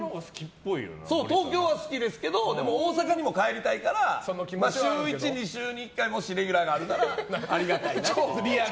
東京は好きですけどでも、大阪にも帰りたいから週１か週２でもしレギュラーがあるならありがたいなって。